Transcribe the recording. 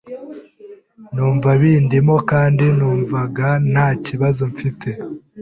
numva bindimo kandi numvaga nta kibazo mfite,